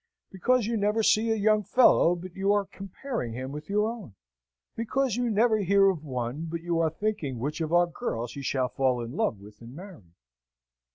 Because you never see a young fellow but you are comparing him with your own. Because you never hear of one but you are thinking which of our girls he shall fall in love with and marry."